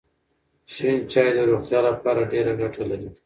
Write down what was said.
شین چای د روغتیا لپاره ډېره ګټه لري.